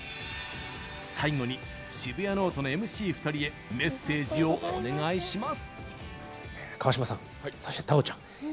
最後に「シブヤノオト」のＭＣ２人へメッセージをお願いします。